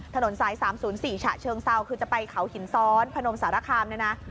ถนนสาย๓๐๔ฉะเชิงเซาคือจะไปเขาหินซ้อนพนมสารคามเนี่ยนะ